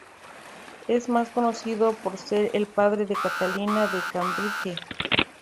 Es más conocido por ser el padre de Catalina de Cambridge.